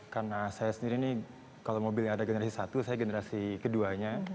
karena saya sendiri ini kalau mobilnya ada generasi satu saya generasi keduanya